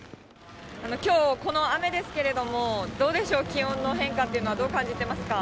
きょう、この雨ですけれども、どうでしょう、気温の変化というのはどう感じてますか。